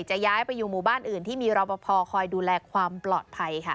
ย้ายไปอยู่หมู่บ้านอื่นที่มีรอปภคอยดูแลความปลอดภัยค่ะ